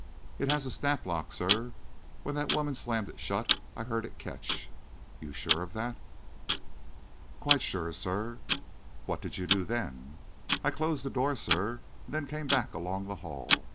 "It has a snap lock, sir; when that woman slammed it shut, I heard it catch." "You're sure of that?" "Quite sure, sir." "What did you do then?" "I closed the door, sir, and then come back along the hall.